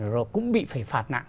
rồi cũng bị phải phạt nặng